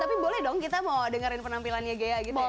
tapi boleh dong kita mau dengerin penampilannya ghea gitu ya